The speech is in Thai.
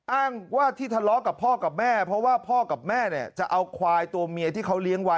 อ้างว่าที่ทะเลาะกับพ่อกับแม่เพราะว่าพ่อกับแม่เนี่ยจะเอาควายตัวเมียที่เขาเลี้ยงไว้